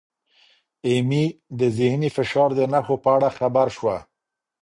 ایمي د ذهني فشار د نښو په اړه خبر شوه.